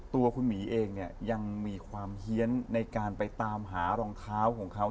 ตัวคุณหมีเองเนี่ยยังมีความเฮียนในการไปตามหารองเท้าของเขา